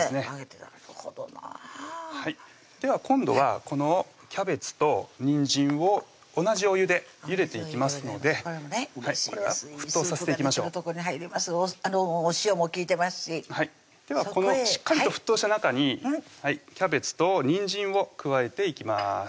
なるほどなでは今度はこのキャベツとにんじんを同じお湯でゆでていきますのでこれは沸騰させていきましょうお塩も利いてますしではこのしっかりと沸騰した中にキャベツとにんじんを加えていきます